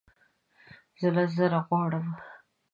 زه لس زره غواړم